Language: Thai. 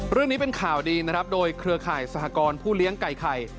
เรื่องนี้เป็นข่าวดีนะครับโดยเครือข่ายสหกรผู้เลี้ยงไก่ไข่